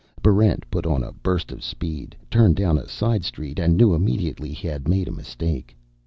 Barrent put on a burst of speed, turned down a side street, and knew immediately he had made a mistake.